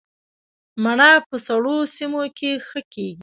مڼه په سړو سیمو کې ښه کیږي